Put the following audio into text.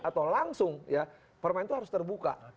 atau langsung permainan itu harus terbuka